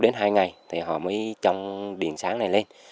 một hai ngày thì họ mới trồng điện sáng này lên